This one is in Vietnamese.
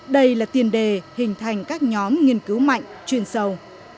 đây là tiền đề hình thành các nhóm nghiên cứu mạnh chuyên sâu